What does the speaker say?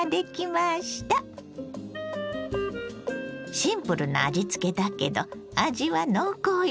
シンプルな味つけだけど味は濃厚よ。